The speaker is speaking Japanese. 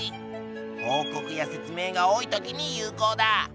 報告や説明が多い時に有効だ。